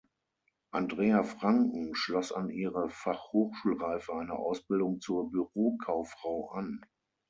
Andrea Franken schloss an ihre Fachhochschulreife eine Ausbildung zur Bürokauffrau an.